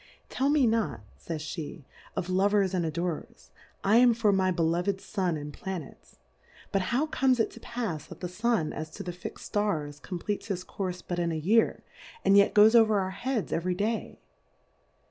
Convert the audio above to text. Tell me not, fays fie, of Lovers and Adorers, I am for my beloved ^tm and Planets, But how comes it to pafs that the Sun as to the fixM Stars, compleats his Courfe but in a Year, and yet goes over our Heads every Day?